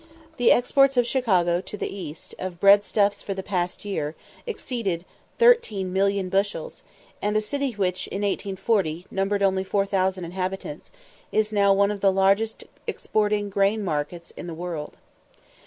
The exports of Chicago, to the East, of bread stuffs for the past year, exceeded 13,000,000 bushels; and a city which, in 1840, numbered only 4000 inhabitants, is now one of the largest exporting grain markets in the world.